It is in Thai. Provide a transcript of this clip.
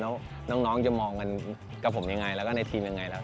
แล้วน้องจะมองกับผมอย่างไรแล้วก็ในทีมอย่างไร